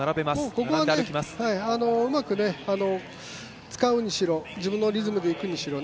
ここはうまく使うにしろ、自分のリズムでいくにしろ